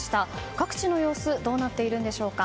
各地の様子どうなっているんでしょうか。